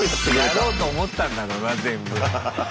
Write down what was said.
やろうと思ったんだろうな全部。